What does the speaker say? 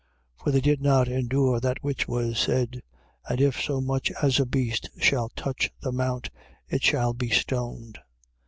12:20. For they did not endure that which was said: and if so much as a beast shall touch the mount, it shall be stoned.